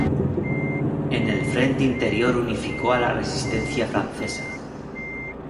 En el frente interior unificó a la resistencia francesa.